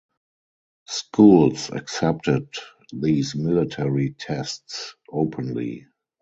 Schools accepted these military tests openly.